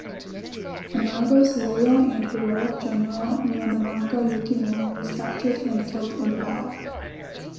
Amago's loyal and heroic general Yamanaka Yukimori was captured and killed in the battle.